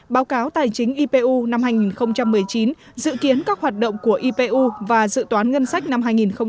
báo cáo tài chính ipu năm hai nghìn một mươi chín dự kiến các hoạt động của ipu và dự toán ngân sách năm hai nghìn hai mươi